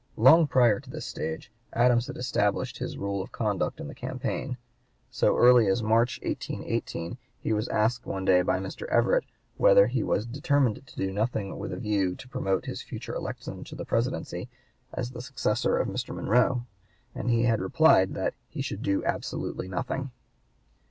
Long prior to this stage Adams had established his rule of conduct in the campaign. So early as March, 1818, he was asked one day by Mr. Everett whether he was "determined to do nothing with a view to promote his future election to the Presidency as the successor of Mr. Monroe," and he had replied that he "should do absolutely nothing."